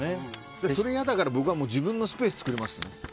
それが嫌だから僕は自分のスペース作りますよ。